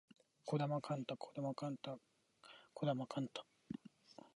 児玉幹太児玉幹太児玉幹太